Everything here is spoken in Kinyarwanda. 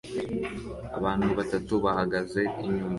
Abantu batatu bahagaze inyuma